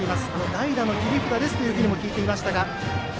代打の切り札ですとも聞いていますが。